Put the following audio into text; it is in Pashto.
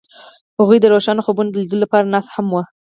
هغوی د روښانه خوبونو د لیدلو لپاره ناست هم وو.